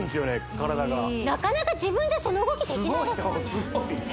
体がなかなか自分じゃその動きできないですよね